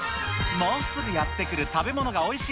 もうすぐやって来る食べ物がおいしい